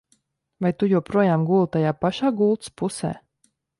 Vai tu joprojām guli tajā pašā gultas pusē?